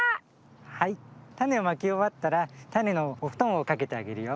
はいたねをまきおわったらたねのおふとんをかけてあげるよ。